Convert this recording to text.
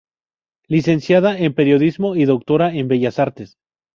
Licenciada en periodismo y Doctora en bellas artes.